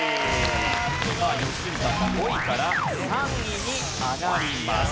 良純さんが５位から３位に上がります。